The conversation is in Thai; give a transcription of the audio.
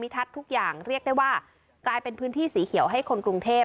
ทุกอย่างเรียกได้ว่ากลายเป็นพื้นที่สีเขียวให้คนกรุงเทพ